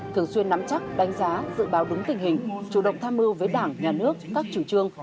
thường xuyên nắm chắc đánh giá dự báo đúng tình hình chủ động tham mưu với đảng nhà nước các chủ trương